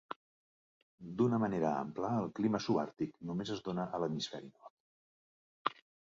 D'una manera ampla el clima subàrtic només es dóna a l'hemisferi nord.